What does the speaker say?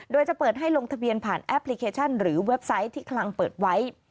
โดยจะเปิดให้ลงทะเบียนผ่านแอปพลิเคชันหรือเว็บไซต์ที่คลังเปิดไว้